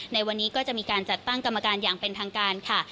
ในวันนี้ก็จะมีการจัดตั้งกรรมการอย่างเป็นทางการค่ะ